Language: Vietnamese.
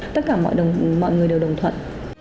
tất cả mọi người đều đồng thuận